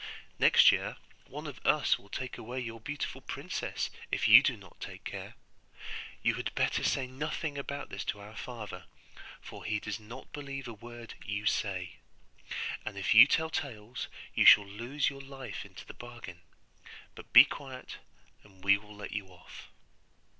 Next year one of us will take away your beautiful princess, if you do not take care. You had better say nothing about this to our father, for he does not believe a word you say; and if you tell tales, you shall lose your life into the bargain: but be quiet, and we will let you off.